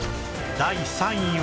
第３位は